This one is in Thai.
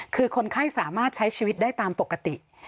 คือคนไข้สามารถใช้ชีวิตได้ตามปกติ